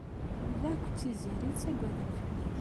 Yuba akked Tiziri ttagaden fell-ak.